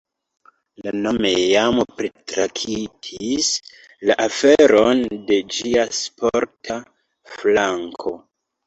Li nome jam pritraktis la aferon de ĝia sporta flanko.